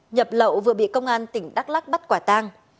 nhập lậu vừa bị công an tỉnh đắk lắc bắt quả tang